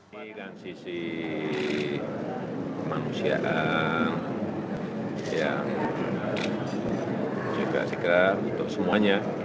ini dari sisi kemanusiaan yang juga segera untuk semuanya